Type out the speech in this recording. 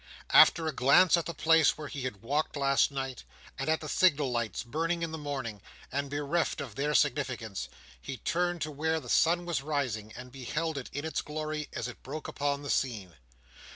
After a glance at the place where he had walked last night, and at the signal lights burning in the morning, and bereft of their significance, he turned to where the sun was rising, and beheld it, in its glory, as it broke upon the scene.